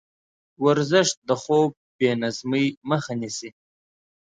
ورزش د خوب بېنظمۍ مخه نیسي.